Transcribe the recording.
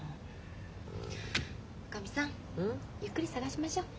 おかみさんゆっくり探しましょう。